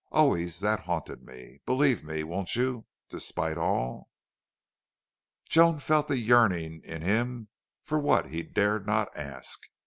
Always that haunted me. Believe me, won't you despite all?" Joan felt the yearning in him for what he dared not ask.